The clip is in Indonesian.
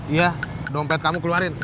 iya dompet kamu keluarin